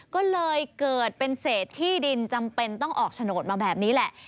ก็เลยเกิดเป็นเศษที่ดินจำเป็นต้องออกโฉนดมาแบบนี้แหละ